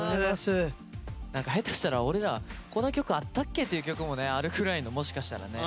何か下手したら俺らこんな曲あったっけっていう曲もねあるくらいのもしかしたらね。